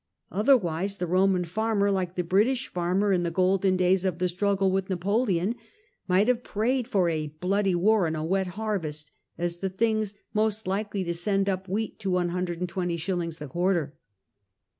Otherwise the Roman farmer, like the British farmer in the golden days of the struggle with Napoleon, might have prayed for a bloody war and a wet harvest," as the things most likely to send up wheat to 120s. the quarter.